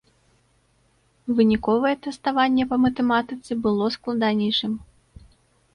Выніковае тэставанне па матэматыцы было складанейшым.